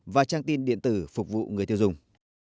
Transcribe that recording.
và trang tin điện tử phục vụ người tiêu dùng